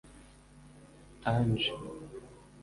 Ange